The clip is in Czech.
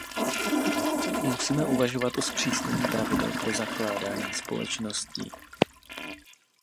Musíme uvažovat o zpřísnění pravidel pro zakládání společností.